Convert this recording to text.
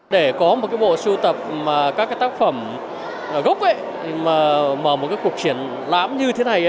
để có một bộ sưu tập các tác phẩm gốc mà một cuộc triển lãm như thế này